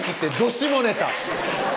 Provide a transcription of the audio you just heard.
下ネタ